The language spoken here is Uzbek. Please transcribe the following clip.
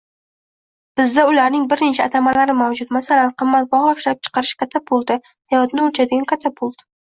Bizda ularning bir necha atamalari mavjud masalan “qimmatbaho ishlab chiqarish katapulti”, “hayotni oʻlchaydigan katapult”